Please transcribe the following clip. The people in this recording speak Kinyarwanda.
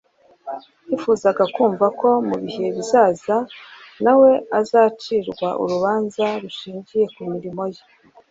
ntiyifuzaga kumva ko mu bihe bizaza na we azacirwa urubanza rushingiye ku mirimo ye